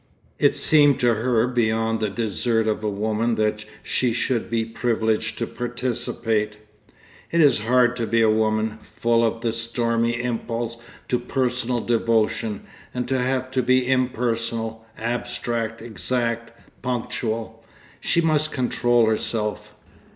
It seemed to her beyond the desert of a woman that she should be privileged to participate.... It is hard to be a woman, full of the stormy impulse to personal devotion, and to have to be impersonal, abstract, exact, punctual. She must control herself....